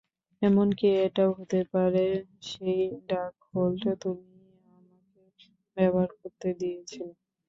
এমনকি এটাও হতে পারে, সেই ডার্কহোল্ড তুমিই আমাকে ব্যবহার করতে দিয়েছিলে।